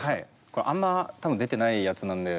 これあんま多分出てないやつなんで。